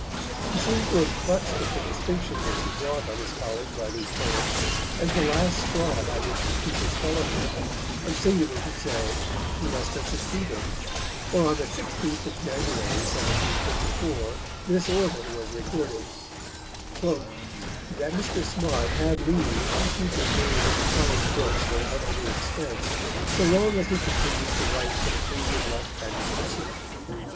He seems to have clutched at the distinction which he brought on his college by these poems as the last straw by which to keep his fellowship, and, singular to say, he must have succeeded; for on the 16th of January 1754, this order was recorded: "That Mr. Smart have leave to keep his name in the college books without any expense, so long as he continues to write for the premium left by Mr. Seaton."